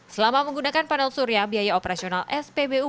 selama menggunakan panel surya biaya operasional spbu